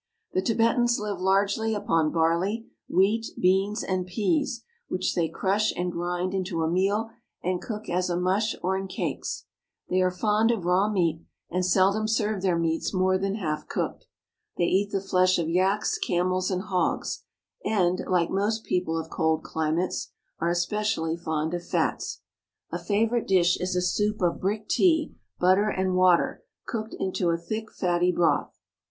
The Tibetans live largely upon barley, wheat, beans, and peas, which they crush and grind into a meal and cook as a mush or in cakes. They are fond of raw meat. TIBET AND THE TIBETANS 313 and seldom serve their meats more than half cooked. They eat the flesh of yaks, camels, and hogs ; and, like most people of cold climates, are especially fond of fats. A favorite dish is a soup of brick tea, but ter and water, cooked into a thick, fatty broth.